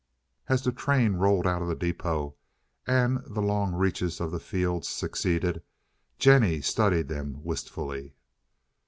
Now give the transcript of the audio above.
As the train rolled out of the depôt and the long reaches of the fields succeeded Jennie studied them wistfully.